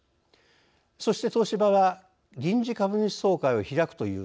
そして東芝は臨時株主総会を開くという段取りになります。